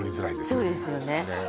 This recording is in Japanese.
そうですよね